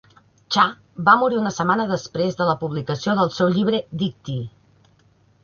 Cha va morir una setmana després de la publicació del seu llibre Dictee.